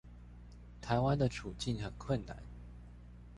臺灣的處境很困難